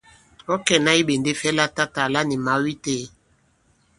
Ɔ̌ kɛ̀na iɓènde fɛ latatàla ni mào itē?